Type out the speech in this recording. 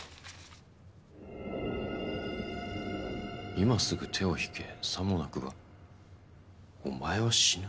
「今すぐ手を引け」「さもなくばお前は死ぬ」